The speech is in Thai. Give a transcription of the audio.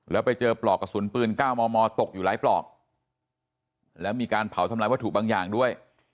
แล้วไปเจอปลอกกระสุนปืน๙มมตกอยู่หลายปลอกแล้วมีการเผาทำลายวัตถุบางอย่างด้วย